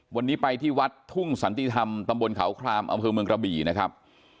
วันนี้ไปที่วัดทุ่งสันติธรรมตำบลเขาคลามอำเภอเมืองกระบี่นะครับ